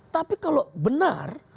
tapi kalau benar